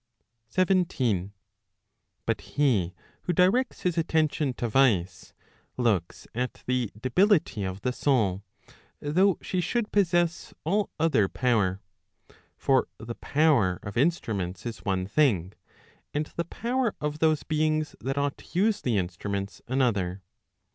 IT. But he who directs his attention to vice, looks at the debility of the soul, though she should possess all other power. For the power of instru¬ ments is one thing, and the power of those beings that ought to use the instruments another.